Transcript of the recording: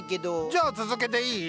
じゃあ続けていい？